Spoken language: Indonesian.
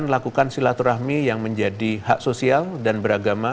silakan lakukan silaturahmi yang menjadi hak sosial dan beragama